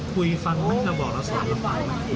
คุยฟังไม่ได้บอกแล้วสอบไปไหม